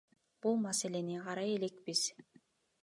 Бул маселени карай элекпиз.